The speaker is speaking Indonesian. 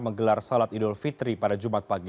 menggelar sholat idul fitri pada jumat pagi